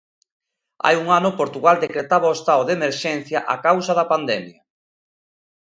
Hai un ano Portugal decretaba o estado de emerxencia a causa da pandemia.